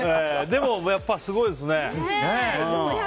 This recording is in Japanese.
でもやっぱりすごいですね。